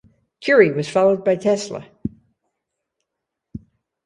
Curie was followed by Tesla.